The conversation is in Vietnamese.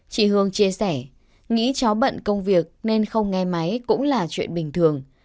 chị hương chia sẻ nghĩ cháu bận công việc nên không nghe máy cũng là chuyện bình thường